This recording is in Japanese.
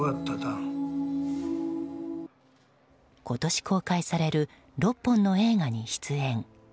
今年公開される６本の映画に出演。